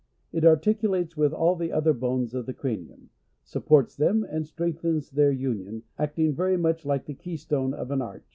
It articulates with all the other bones of the cranium ; supports them, and strengthens their union, acting very much like the key stone of an arch.